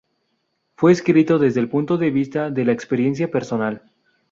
Fue escrito desde el punto de vista de la experiencia personal.